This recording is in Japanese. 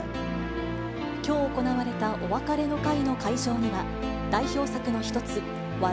きょう行われたお別れの会の会場には、代表作の一つ、笑